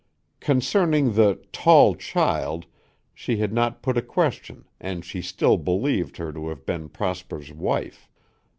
Concerning the "tall child" she had not put a question and she still believed her to have been Prosper's wife.